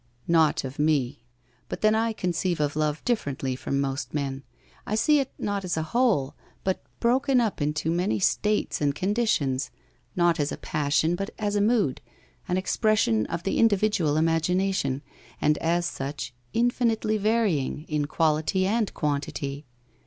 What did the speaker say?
1 Xot of me. But then I conceive of love differently from most men. I see it not as a whole, but broken up into many states and conditions, not as a passion, but as a mood, an expression of the individual imagination, and as such in finitely varying, in quality and quantity.